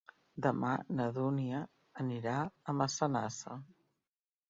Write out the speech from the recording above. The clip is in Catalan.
Demà na Dúnia anirà a Massanassa.